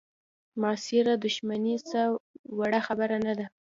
معاصره دوښمني څه وړه خبره نه ده.